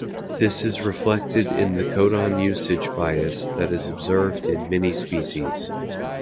This is reflected in the codon usage bias that is observed in many species.